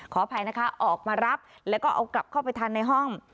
ขออภัยนะคะออกมารับแล้วก็เอากลับเข้าไปทันในห้อง